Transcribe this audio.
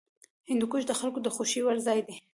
هندوکش د خلکو د خوښې وړ ځای دی.